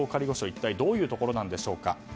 一体どういうところなんでしょう。